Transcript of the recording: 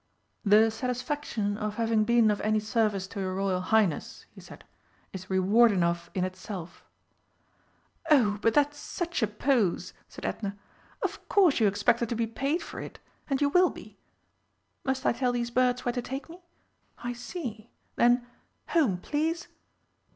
"The satisfaction of having been of any service to your Royal Highness," he said, "is reward enough in itself." "Oh, but that's such a pose!" said Edna. "Of course you expect to be paid for it!... And you will be. Must I tell these birds where to take me?... I see. Then Home, please!"